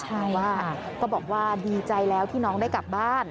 ใช่ว่าก็บอกว่าดีใจแล้วที่น้องได้กลับบ้าน